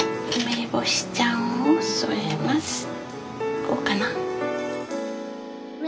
こうかな。